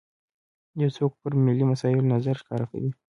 یو څوک پر ملي مسایلو نظر ښکاره کوي.